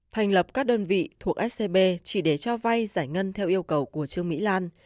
thành lập các đơn vị thuộc scb chỉ để cho vay giải ngân theo yêu cầu của trương mỹ lan